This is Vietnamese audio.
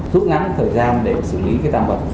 thuốc ngắn thời gian để xử lý cái tạm vật